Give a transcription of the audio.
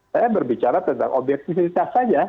saya berbicara tentang objektifitas saja